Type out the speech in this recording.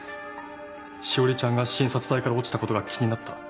詩織ちゃんが診察台から落ちたことが気になった。